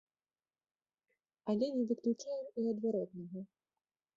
Але не выключаем і адваротнага.